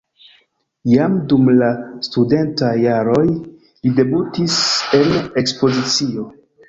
Jam dum la studentaj jaroj li debutis en ekspozicio.